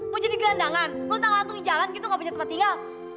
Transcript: mau jadi gelandangan lontang latung di jalan gitu nggak punya tempat tinggal